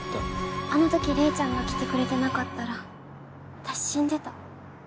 あの時玲ちゃんが来てくれてなかったら私死んでた。